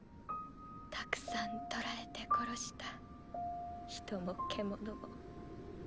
たくさん捕らえて殺した人も獣も。